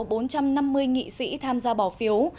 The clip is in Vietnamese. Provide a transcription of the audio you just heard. bốn trăm năm mươi nghị sĩ tham gia bỏ phiếu